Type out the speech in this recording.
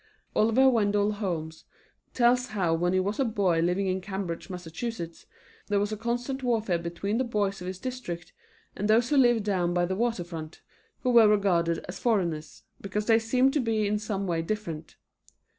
Oliver Wendell Holmes tells how when he was a boy living in Cambridge, Mass., there was a constant warfare between the boys of his district and those who lived down by the water front, who were regarded as foreigners, because they seemed to be in some way different.